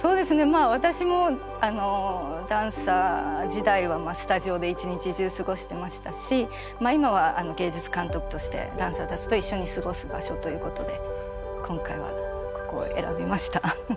まあ私もダンサー時代はスタジオで一日中過ごしてましたし今は芸術監督としてダンサーたちと一緒に過ごす場所ということで今回はここを選びました。